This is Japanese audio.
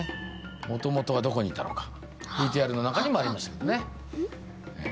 元々はどこにいたのかＶＴＲの中にもありましたけどねあっあっうんうん？